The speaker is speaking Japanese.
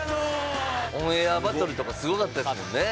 『オンエアバトル』とかすごかったですもんね。